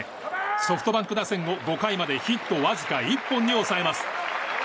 ソフトバンク打線を５回までヒットわずか１本に抑えます。